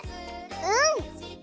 うん！